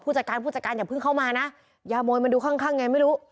จัดการผู้จัดการอย่าเพิ่งเข้ามานะยามวยมันดูข้างไงไม่รู้